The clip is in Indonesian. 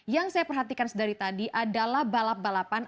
yang saya perhatikan dari tadi adalah balap balapan